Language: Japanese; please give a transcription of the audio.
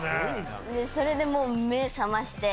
それでもう。